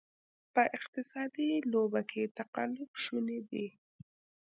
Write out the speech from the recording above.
په اقتصادي لوبه کې تقلب شونې دی.